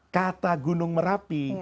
kata gunung merapi